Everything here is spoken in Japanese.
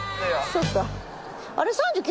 そっか。